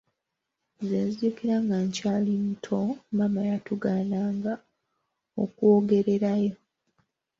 Nze nzijukira nga nkyali muto maama yatugaananga okwogererayo.